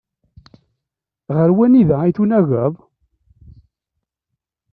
Ɣer wanida ay tunageḍ?